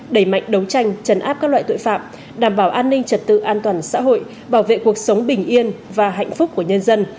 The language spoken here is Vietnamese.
đẩy mạnh đấu tranh chấn áp các loại tội phạm đảm bảo an ninh trật tự an toàn xã hội bảo vệ cuộc sống bình yên và hạnh phúc của nhân dân